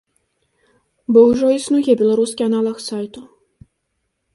Бо ўжо існуе беларускі аналаг сайту.